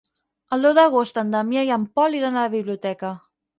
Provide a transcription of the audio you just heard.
El deu d'agost en Damià i en Pol iran a la biblioteca.